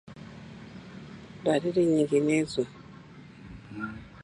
Dalili nyinginezo